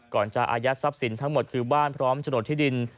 จะอายัดทรัพย์สินทั้งหมดคือบ้านพร้อมโฉนดที่ดิน